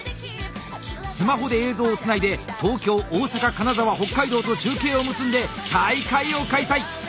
スマホで映像をつないで東京大阪金沢北海道と中継を結んで大会を開催！